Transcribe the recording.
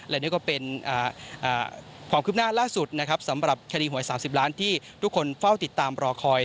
และนี่ก็เป็นความคืบหน้าล่าสุดนะครับสำหรับคดีหวย๓๐ล้านที่ทุกคนเฝ้าติดตามรอคอย